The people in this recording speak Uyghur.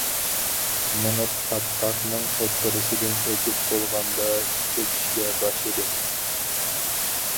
مېڭىپ پاتقاقنىڭ ئوتتۇرىسىدىن ئۆتۈپ بولغاندا چۆكۈشكە باشلىدىم.